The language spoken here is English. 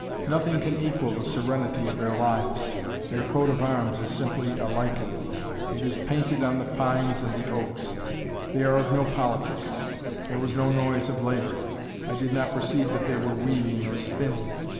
Nothing can equal the serenity of their lives. Their coat of arms is simply a lichen. It is painted on the pines and the oaks. They are of no politics. There was no noise of labor. I did not perceive that they were weaving or spinning.